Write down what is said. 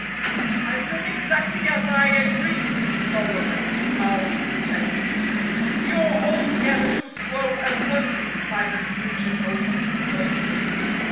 "I've done exactly as I agreed!" Solomon Owl protested. "You're altogether too slow and clumsy," Simon Screecher told him bluntly.